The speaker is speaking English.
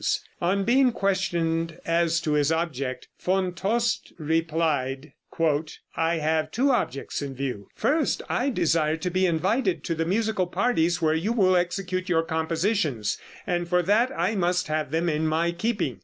On being questioned as to his object, Von Tost replied: "I have two objects in view: First, I desire to be invited to the musical parties where you will execute your compositions, and for that I must have them in my keeping.